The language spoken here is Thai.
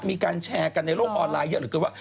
มีการแชร์กันในโลกออนไลน์เยอะเหลือเกินว่า